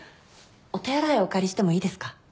お手洗いお借りしてもいいですか？